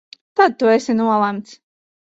Tad tu esi nolemts!